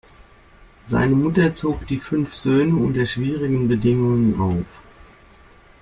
Seine Mutter zog die fünf Söhne unter schwierigen Bedingungen auf.